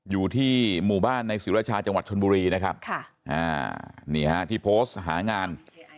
อยู่ที่หมู่บ้านในศิรชาจังหวัดชนบุรีนะครับนี่ฮะที่โพสต์หางาน